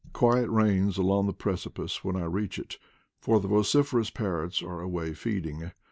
Quiet reigns along the precipice when I reach it, for the vociferous parrots are away feeding.